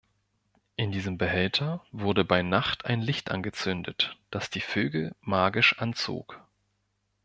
In diesem Behälter wurde bei Nacht ein Licht angezündet, das die Vögel magisch anzog.